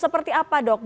seperti apa dok